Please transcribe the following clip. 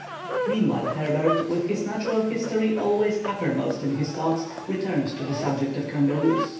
Meanwhile Herbert, with his Natural History always uppermost in his thoughts, returned to the subject of kangaroos.